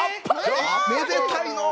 めでたいのう。